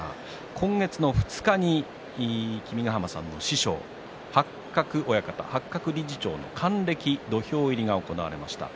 今月の２日に君ヶ濱さんの師匠八角親方、八角理事長の還暦土俵入りが行われました。